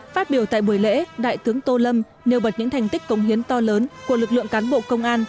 phát biểu tại buổi lễ đại tướng tô lâm nêu bật những thành tích công hiến to lớn của lực lượng cán bộ công an